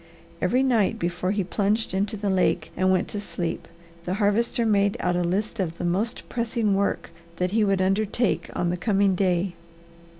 Every night before he plunged into the lake and went to sleep the Harvester made out a list of the most pressing work that he would undertake on the coming day.